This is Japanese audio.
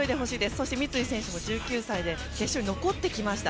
そして、三井選手も１９歳で決勝に残ってきました。